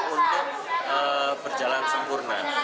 untuk berjalan sempurna